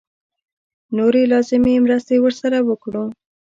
نورې لازمې مرستې ورسره وکړو.